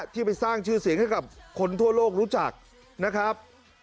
ที่ไปสร้างชื่อเสียงให้กับคนทั่วโลกรู้จักนะครับ